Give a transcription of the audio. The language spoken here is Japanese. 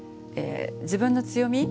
自分の強み